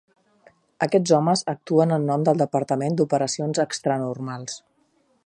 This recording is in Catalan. Aquests homes actuen en nom del Departament d'operacions extranormals.